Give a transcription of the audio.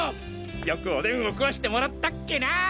よくおでんを食わせてもらったっけなぁ！